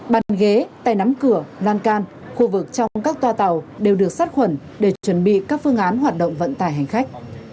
bàn ghế tay nắm cửa lan can khu vực trong các toa tàu đều được sát khuẩn để chuẩn bị các phương án hoạt động vận tải hành khách